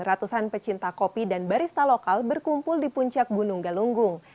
ratusan pecinta kopi dan barista lokal berkumpul di puncak gunung galunggung